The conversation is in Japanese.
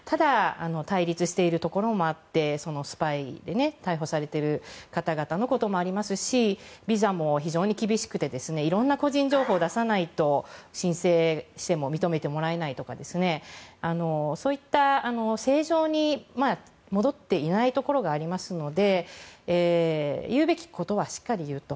対立しているところもあってスパイ容疑で逮捕されている方々のこともありますしビザも非常に厳しくていろんな個人情報を出さないと申請しても認めてもらえないとかそういった、正常に戻っていないところがあるので言うべきことはしっかり言うと。